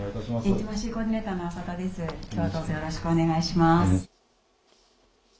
きょうはどうぞよろしくお願いします。